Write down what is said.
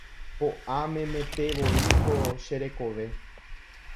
Po'a memetevoi ko che rekove.